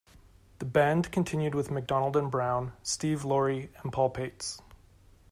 The band continued with McDonald and Brown, Steve Loree and Paul Paetz.